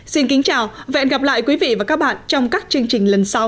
xin kính chào và hẹn gặp lại quý vị và các bạn trong các chương trình lần sau